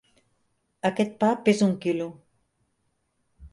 Aquest pa pesa un quilo.